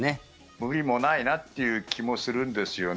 無理もないなという気もするんですよね。